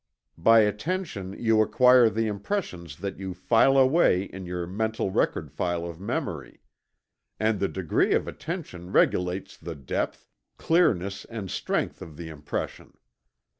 By attention you acquire the impressions that you file away in your mental record file of memory. And the degree of attention regulates the depth, clearness and strength of the impression.